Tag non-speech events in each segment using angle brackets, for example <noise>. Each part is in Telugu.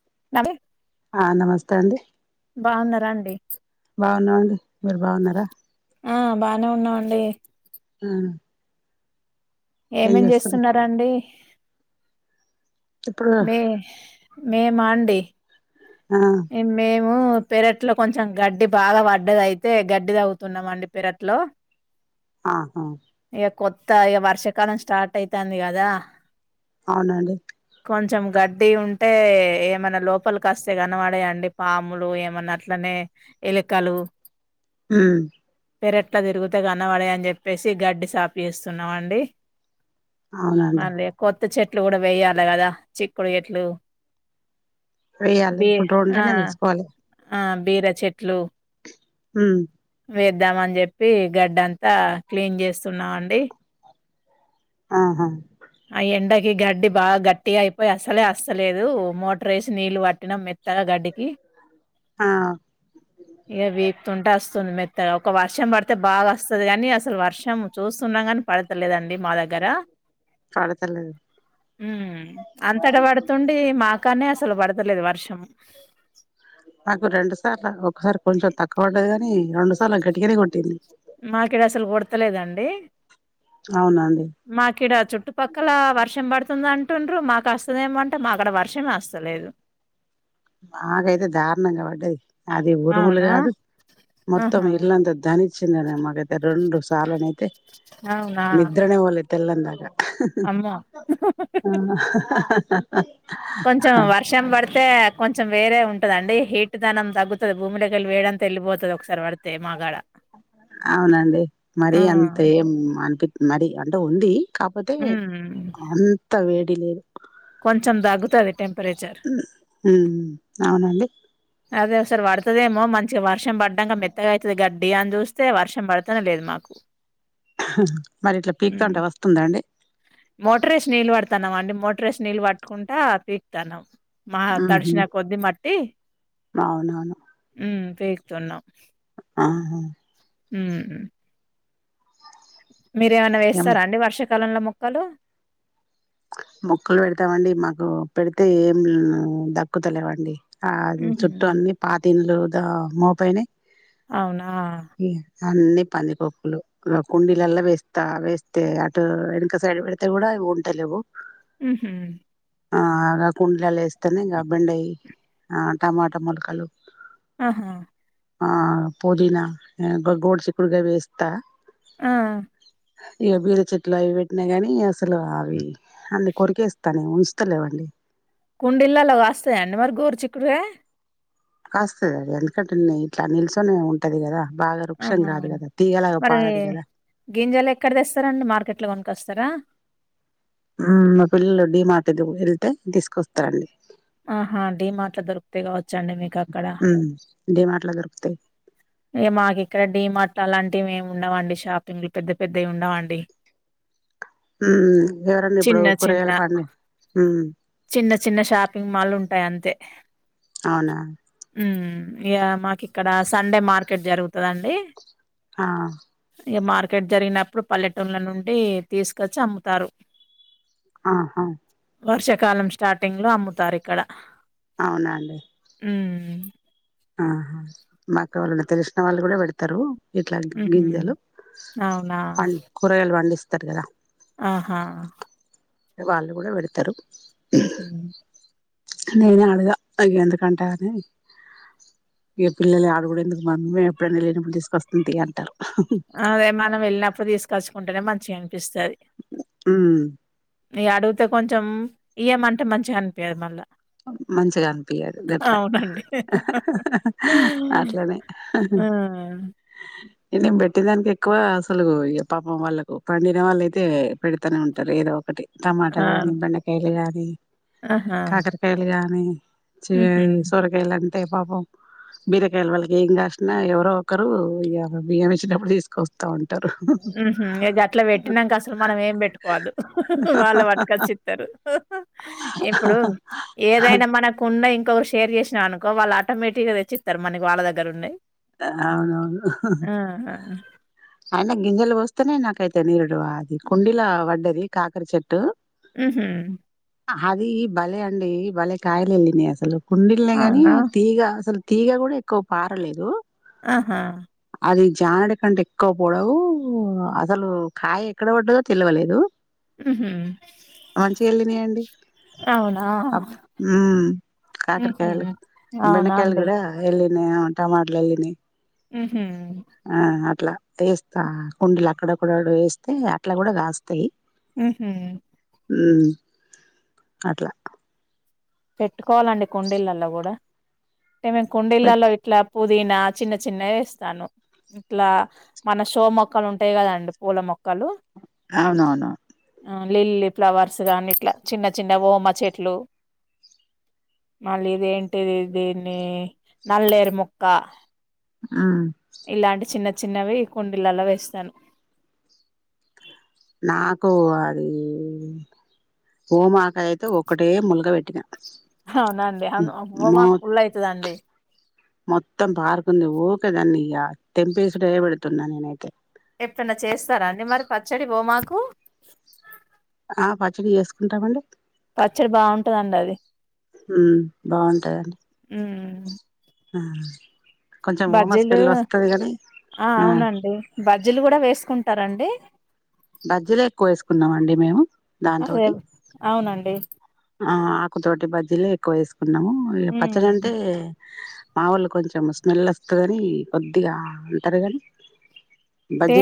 <unintelligible> ఆ నమస్తే అండి బాన్నారాండి అవునా అండి మీర్ బాగున్నరా డి హ్మ్ ఏమేం జేస్సున్నారాండి ఇప్పుడు మే మేమాండి ఆ ఏం మేమ్ ము పెరట్లో కొంచెం గడ్డి బాగా పడ్డదైతే. గడ్డి తవ్వుతున్నామండి పెరట్లో ఆహా ఇక కొత్త ఇగ వర్షాకాలం స్టార్టైతంది కదా అవునండి కొంచం గడ్ డ్డి ఉంటే ఏమైన్న లోపల్కస్తై గా న్నపడయండి పాములు ఏమన్నా. అట్లనే ఎలికలు ఊ పెర్ట్ల దిరుగుతే గనపడయన్ జెప్పేసి గడ్డి సాపి ఎస్సున్నామండి అవునండి మల్లి కొత్త చెట్ ట్లు కూడా వేయాలె గదా. చిక్కుడు ఎట్లు వేయ్యాలి ఇప్పుడ్రోన్లనే మెసుకోవాలె ఆ! బీర చెట్లు హ వేద్దాం అని చెప్పి గడ్డ అంతా క్లీన్ చేస్త సున్నా అండి ఆహా ఆ ఎండకి గడ్డి బాగా గట్టిగా అయిపోయి అస్సలే అస్తలేదు మోటర్ వేసి నీళ్ళు పట్టినా మెత్తగా గడ్డికి ఆ ఇక వీపుతుంటే వస్తుంది మెత్తగా ఒక వర్షం పడితే బాగా వస్తుది గాని అసలు వర్షం చూస్తున్నాం కాని పడతలేదండి డీ మా దగ్గర పడతలేదు హు అంతట పడుతుండి మాకానే అసలు పడుతలే దు వర్షం మాకు రెండు సార్ల ఒ ఒకసారి కొంచెం తక్కువ పడది గాని రెండు సార్లు గట్టిగానే కొట్టింది మాకు ఇడ అసలు కొడతలేదండి అవునండి మాకి ఇడ చుట్టుపక్కల వర్షం పడుతుందంటే అట్టుండ్రు మాకు వస్తుందేమంటే మాక్కడ వర్షమే వస్తలేదు ఆగైతే దారుణంగా వడ్డది అది ఉరుములు అవునా? కాదు మొత్తం ఆహా ఇల్లంత ధనిచ్చింద మాకైతే రెండు సార్నైతే అవునా నిద్రనే వాళ్ళ తెల్లదాకా ఆ అమ్మో కొంచెం వర్షం పడితే కొంచెం వేరే ఉంటదండి హీట్ ధనం తగ్గుతది భూమిలోకి వెళ్ళి వేయని తెళ్లిపోతది ఒకసారి పడితే మాకాడ అవునండి మరి అంత ఏం అనిపిిం మరి అంటే ఉంది కాకపోతే ఉమ్ అంత వే డి లేదు చం తగ్గుతది టెంపరేచర్ ఉ అవునండి అదే ఓ సారి పడుతుదేమో మంచిగా వర్షం వర్షం పడ్డంక మెత్తగా అయితది గడ్డ డి అని చూస్తే వర్షం పడుతనే లేదు మాకు హ మరి ఇట్లా ఉమ్ పీకుతంటే వస్తుందా అండి మోటార్ ఏసి నీళ్ళు పట్టుకుంటా పీకుతానం మా హుహు. తడిచిన కొద్ది మట్టి అవునవును హు పీకుతున్నాం ఆహా ఉ మీరేమైనా ఏం వేస్తారాండి వర్షకా కాలంలో మొక్కలు మొక్కలు పెడతామండి మాకు పెడితే ఏం దక్కుతలేవండి ఆ అది హుహు. చుట్టూ అన్ని పాత ఇల్లు గా మోపైనై అవునా అన్ని పంది కొక్కులు కుండీలల్ల వేస్తా వేస్తే అటు వెనక సైడ్ పెడితే కూడా ఉంటలేవు ఊహు ఆ గా కుండీలల్ల వేస్తేనే ఇంకా బెండయి ఆ టమాటా మొలకలు ఆహా ఆ పుదీనా గోడు చిక్కుడుగాయూ వేస్తా ఆ! ఇగ బీర చెట్లు అయి పెట్టిన గాని ఇలా అవి అందుకొరకే ఏస్తా ఉంచుతలేవండి కుండీలలో కాస్తయ్యండి మరి గోరు చిక్కుడుకాయ కాస్తది అది ఎందుకంటే ఇట్లా నిల్చొనే ఉంటది కదా బాగా వృక్షం ఆహా కాదు కదా తీగలాగా మరి పారదు కదా గింజలు ఎక్కడ తెస్తారండి మార్కెట్ లో కొను కొస్తారా ఉమ్ మా పిల్లలు డి మార్ట్ కు వెళ్తే తీసుకొస్తారండి ఆహా డి మాట్లా దొరికితే కావచ్చండి మీకు అక్కడ డిమార్ట్ లో దొరుకుతాయి ఇ మాకు ఇక్కడ డీమార్ట్ లు అలాంటివి ఏం ఉండవండి షాపింగ్లు పెద్ద పెద్దవి ఉండవాండి హు ఎవరన్నా ఇప్పుడు చిన్న, కూరగాయల బండి హు చిన్న చిన్న షాపింగ్ మాల్ ఉంటాయి అంతే అవునా హు ఇగా మాకి ఇక్కడ సండే మార్కెట్ జరుగుతుదండి ఆ ఇ మార్కెట్ జరిగినప్పుడు పల్లెటూళ్ల నుండి తీసుకొచ్చి అమ్ముతారు ఆహా వర్ష కాలం స్టార్టింగ్ లో అమ్ముతారు ఇక్కడ అవునండి ఉ ఆహా మాకు వాళ్ళ తెలిసిన వాళ్ళు కూడా పెడతారు ఇట్లా హుహు. గింజలు అవునా? కూరగాయలు పండిస్త కదా ఆహా వాళ్ళు కూడా పెడతారు ఉహూ నేనే అడగా. ఎందుకంటే అని ఇగా పిల్లలు అడుగుదెందుకు మమ్మే ఎప్పుడైనా లేనప్పుడు తీసుకొస్తుంది అంటారు. అదే మనం వెళ్ళినప్పుడు తీసుకొచ్చుకుంటేనే మన్ చె పిస్తాది ఉమ్ ఇ అడిగితే కొంచెం ఇయ్యం అంటే మంచిగనిపియదు మళ్ళా మంచిగా అనిపియదు గట్ల అవునండి. అట్లనే ఆ! నేను పెట్టి దానికి ఎక్కువ అసలు పాపం వాళ్ళకు పండిన వాళ్ళు అయితే పెడతానే ఉంటారు ఏదో ఒకటి టమాటా గానీ అవును. బెండకాయలు కానీ ఆహా! కాటం లుగాని చే హుహు. అయి సోరకాయలన్ అంటే పాపం బీరకాయలు వాళ్ళకి ఏం కాసినా ఎవరో ఒకరు ఇగ బియ్యం ఇచ్చినప్పుడు తీసుకొస్తా ఉం ఉమ్ హు ఇగ గట్ల పెట్టినంక అసలు మనం ఏం పెట్టుకోవద్దు వాళ్ళ పట్టుకచ్చి ఇస్తారు ఇప్పుడు ఏదైనా మనకు ఉన్ న్న ఇంకొకర్ షేర్ చేసినా అనుకో వాళ్ళు ఆటోమేటిక్ గా తెచ్చిస్తారు మనీ వాళ్ళ దగ్గర ఉన్నాయి అవునవును ఆ! అన గింజలు పోస్తేనే నాకైతే నీరుడు అది కుండీలా వడ్డది కాకర చెట్టు ఊహూ అదీ బలే అండి ఈ బలే కాయలెల్లినాయి అసలు కుండిల్నే గానీ అవునా? తీగ అసలు తీగ కూడా ఎక్కువ పారలేదు ఆహా అది జానడి కంటే ఎక్కువ పొడవు అసలు కాయ ఎక్కడ పడ్డదో తెలివలేదు హుహు. మంచిగెళ్ళినయండి అవునా? అప్ ఉమ్ హుహు. కాకరకాయలు అవునా బెండకాయలు అండి. కూడా వెళ్ళిన్ <unintelligible> <unintelligible> ఊహూ వేస్తా కుండలు అక్కడక్కడ వేస్తే అట్లా కూడా కాస్తాయి ఉహూ ఉమ్ అట్లా పెట్టుకోవాలండి కుండడిళ్లల్లో కూడా అంటే మేం పెట్ కుండీలల్లో ఇట్లా పుదీనా చిన్న చిన్నవి వేస్తాను ఇట్లా మన షో మొక్కలు ఉంటాయి కదండి పూల మొక్కలు అవునవును లిల్లీ ఫ్లవర్స్ కాని ఇట్లా చిన్న చిన్న ఓమ చెట్లు మళ్ళీ ఇదేంటిది దీన్ని నల్లేరు మొక్క ఉమ్ ఇలాంటి చిన్న చిన్నవి కుండలలా వేస్తాను ఆకు అది ఓమాకయ అయితే ఒకటే ముల్గ పెట్టినా అవునండి అవును మాకు ఫుల్ అవుతదండి మొత్తం పార్కుంది ఓకేదాండి ఇక తెంపేసుడే పెడుతున్నా నేనైతే ఎప్పునా చేస్తారా అండి మరి పచ్చడి బోమాకు ఆ పచ్చడి చేసుకుంటామండి పచ్చడి బాగుంటదండి అది హ్మ్ బాగుంటదండి ఉ ఆ కొంచెం ఓమ బజ్జీలు స్మెల్ వస్తది కాని ఆ అవునండి బజ్జీలు కూడా వేసు టారండి బజ్జిలే ఎక్కువ వేసుకున్నాం అండి మేము అదే దాంతోటి అవునండి ఆ ఆకుతోటి బజిలే ఎక్కువ వేసుకో కున్నాము ఇక పచ్చడి అంటే మా వాళ్ళు కొంచెం స్మెల్ వస్తు కాని కొద్దిగా ఉంటారు ని అంటే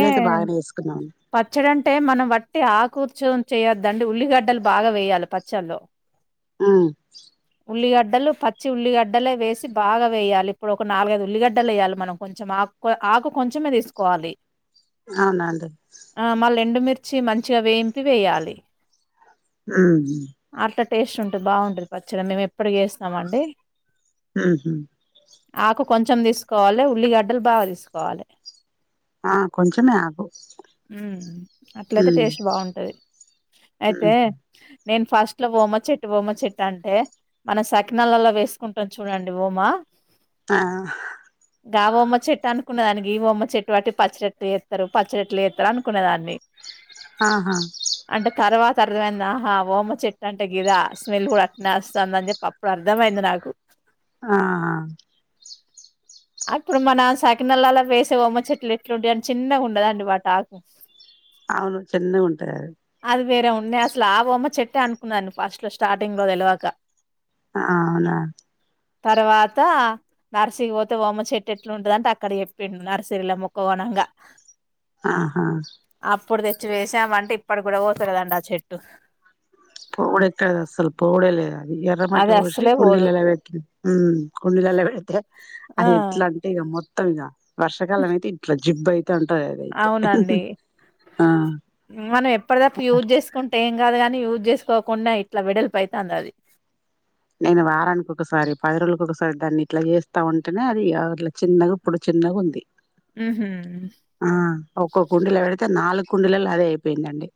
పచ్చడంటే మనం బట్టి ఆకూర్చు చేయద్దండి ఉల్లిగడ్డలు బాగా వేయాలి పచ్చల్లో ఉ ఉల్లిగడ్డలు పచ్చి ఉల్లిగడ్డలే వేసి బాగా వేయాలి, ఇప్పుడు ఒక నాలుగైదు ఉల్లిగడ్డలు వేయాలి, మనం కొంచెం ఆకు ఆకు కొంచెమే తీసుకోవాలి. అవునా అండి మిర్చి మంచిగా వేయింపి వేయాలి ఊఉ అట్లా టేస్ట్ ఉంటుంది బాగుంటుంది పచ్చడి మేము ఎప్పుడుకి వేస్తున్నాం అండి మ్ హు ఆకు కొంచెం తీసుకోవాలి ఉల్లిగడ్డలు బాగా తీసుకోవాలి ఆ కొంచెమే ఆకు ఉ అట్లయితే హ్మ్ టేస్ట్ బాగుంటది అయితే హ్మ్ నేను ఫస్ట్ లో ఓమా చెట్టు వఓమ చెట్టు అంటే మన సకినాలు నలలో వేసుకుంటరు చూడండి వోమా ఆ గవమ్మ చెట్టు చేసుకునే దానికి ఓమ చెట్టు అయితే పచ్చడి వేస్తారు పచ్చడి ఎట్లా చేస్తారు అనుకునే దాన్ని ఆహా అంటే తర్వాత <unintelligible> ఆహా ఓమా చెట్టు అంటే గీదా, స్మెల్ <unintelligible> వస్తా ఉంది అని అప్పుడు అర్థమైంది నాకు ఆ అప్పుడు మన సకినలలా వేసే వమ్మ చెట్లు ఎట్లుంటాయి అంటే చిన్నగా ఉండేది వాటి ఆకు అవును చిన్న ఉంటాయి ఇది వేరే ఉన్నాయి అసలు ఆ ఓమ చెట్టే అనుకున్న ఫస్ట్ లో స్టార్టింగ్ లో తెలివాక అ అవునా తర్వాత ఆహా ఇప్పుడు తెచ్చి వేసామంటే ఇప్పటికీ కూడా వొతలేదండి ఆ చెట్టు పోవుదెక్కడిది అసలు పోవుడే లేదే అ ఎర్ర మట్టి అది పోసి అస్సలే పోదు కుండీల్లలో పెట్టు కుండీల్లలో పెడితే ఆ అది ఎట్లా అంటే ఈ గా మొత్తంగా వర్షకాలం అయితే ఇంట్లో నీ జిబ్బై అవునండి ఆ మనం ఎప్పుడదప్పుడు యూజ్ చేసుకుంటే ఏం కాదు గాని యూజ్ చేసు పొకుండా ఇట్లా వెడల్పు అయితాంది అది నేను వారానికి ఒకసారి పది రోజులకి ఒకసారి దాన్ని ఇట్లా చేస్తా ఉంటేనే అది ఇట్లా చిన్నగా ఇప్పుడు చిన్నగా ఉంది ఉహు ఆ ఒక్క కుండి లో పెడితే నాలుగు కుండలల్లో అదే అయిపోయిందండి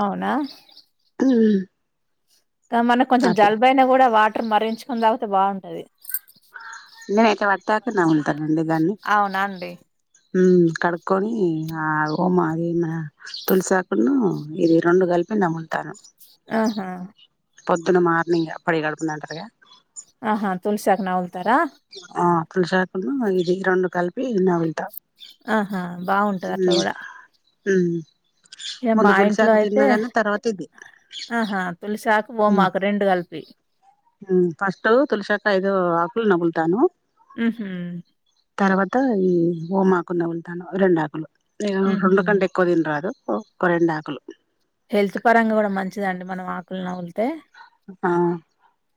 అవునా ఇ మనం కొంచెం అట్లా జల్బైన కూడా వా మరిగించుకుని తాగితే బాగుంటది నేనయితే వత్తాత్తున్నావు లే అవునా అండి కడుక్కొని అ ఓమ ఆకు న తులసి ఆకున్ను కలిపి ఇది రెండు కలిపి నమ్ములుతాను ఆహా పొద్దున మార్నింగ్ అ పరిగడుపున అంటరుగా ఆహా తులసాకు నవ్వల్ ఆ తులసి ఆకు ఇది రండు కల్పి పి నముల్తా ఆహా బాగుంటదట్లా కూడా మ్ ఏ మా ఇంట్లో అయితే తర్వాత ఇది ఆహా తులిసాకు ఓమాకు రెండు కలిపి ఫస్ట్ తులసాకు ఐదు ఆకులు నము తాను ఉ హ్ తర్వాత ఈ ఓమాకు నములుతాను రెండు ఆకులు హుహు. రెండు కంటే ఎక్కువ తిన్రాదు ఒక రెండు ఆకులు హెల్త్ పరంగా కూడా మంచిదండి మనం ఆకులు నమిళ్తే ఆ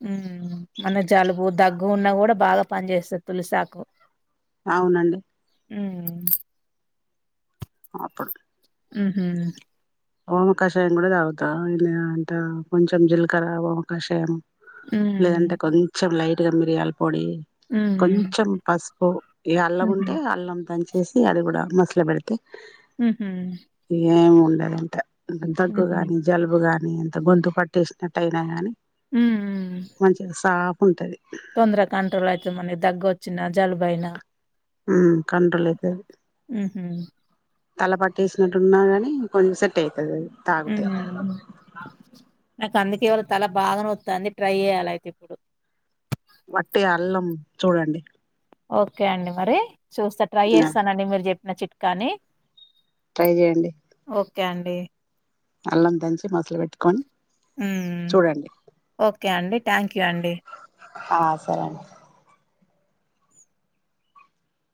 హు మన జలుబు దగ్గు ఉన్నా కూడా బాగా పని చేస్తాది తులసాకు అవునండి హు ఆప్పుడు హ్ హ్ ఓమకాషాయం కూడా తాగుతా అంట కొంచెం జీలకర ఓమకాషాయం లేదంటే హ్మ్. కొంచెం లై ట్ గా మిర్యల పొడి హ్మ్. కొంచం పసుపు పు ఈ హుహు. అల్లమ్ముంటే అల్లం దంచి చేసి అది కూడా మసుల పెడితే హ్ హ్ అ అంటే దగ్గు గాని జలుబు గాని కానీ ఎంత గొంతు పట్టేసినట్ట్టయినా గానీ మంచి గా సాఫ ఉంటది తొందర కంట్రోల్ యితది మన దగ్గొచ్చ వచ్చిన జలుబైన హ్ కంట్రోల్ ఐతాదీ హుహు. తల పట్టేసినట్టున్నా కానీ కొంచెం సెట్ అవుతది అది ఉ తాగుతే అ అందుకే ఇవ్వాళ తల బాగా నోత్తంది ట్రై చేయాలే అయితే ఇప్పుడు వట్టి అల్లం చూడండి ఓకే అండి మరి చూస్తా ట్రై చేస్తానండి మీరు చెప్పి నా చిట్కాని ట్రై చేయండి ఓకే అండి అల్లం దంచి మసుల పెట్టుకొని చూడండి ఓఒకే అండి థ్యాక్స్ ఆ సరే అండి